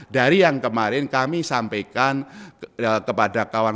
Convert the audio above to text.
dari yang kemarin kami sampaikan kepada kawan kawan